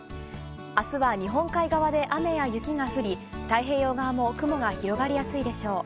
あすは日本海側で雨や雪が降り、太平洋側も雲が広がりやすいでしょう。